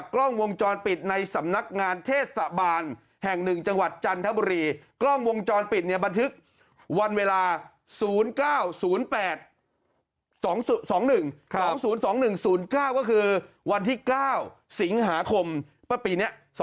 ๐๙๐๘๒๐๒๙ก็คือวันที่๙สิงหาคมปี๒๐๒๑